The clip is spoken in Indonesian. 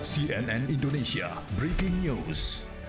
cnn indonesia breaking news